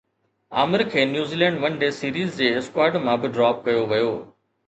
عامر کي New Zealand one day series جي squad مان به ڊراپ ڪيو ويو